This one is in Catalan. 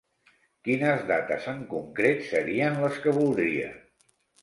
Quines dates en concret serien les que voldria?